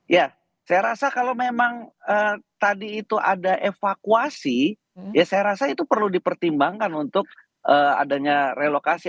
ya saya rasa kalau memang tadi itu ada evakuasi ya saya rasa itu perlu dipertimbangkan untuk adanya relokasi